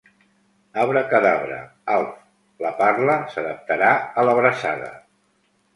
Abracadabra, Alf, la parla s'adaptarà a l'abraçada.